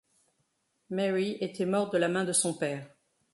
Mary était morte de la main de son père.